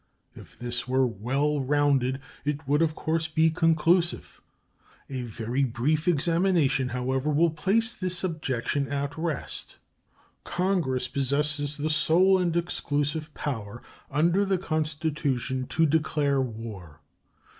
If this were well rounded, it would, of course, be conclusive. A very brief examination, however, will place this objection at rest. Congress possess the sole and exclusive power under the Constitution "to declare war."